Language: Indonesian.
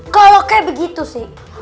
kalau kayak begitu sih